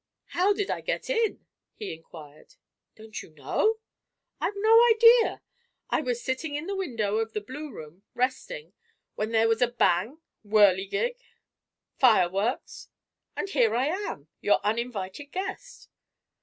"How did I get in?" he inquired. "Don't you know?" "I've no idea. I was sitting in the window of the blue room, resting, when there was a bang, whirligig, fireworks—and here I am, your uninvited guest."